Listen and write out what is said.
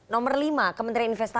nomor lima kementerian investasi